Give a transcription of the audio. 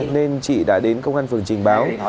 nên chị đã đến công an phường trình báo